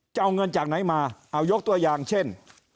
จะเอาเงินจากไหนมาเอายกตัวอย่างเช่น